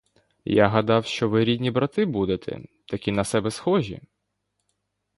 Я гадав, що ви рідні брати будете, такі на себе схожі.